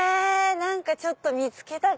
何かちょっと見つけた感。